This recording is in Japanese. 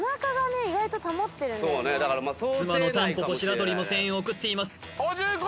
妻のたんぽぽ・白鳥も声援を送っています